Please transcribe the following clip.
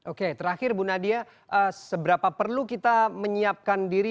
oke terakhir bu nadia seberapa perlu kita menyiapkan diri